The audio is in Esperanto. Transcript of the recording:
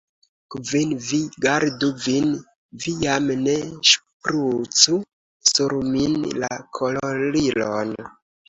Kvin, vi gardu vin, vi jam ne ŝprucu sur min la kolorilon.